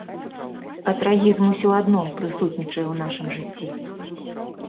А трагізм усё адно прысутнічае ў нашым жыцці.